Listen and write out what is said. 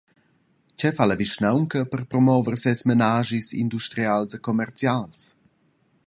Tgei fa la vischnaunca per promover ses menaschis industrials e commercials?